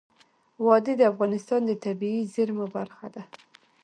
وادي د افغانستان د طبیعي زیرمو برخه ده.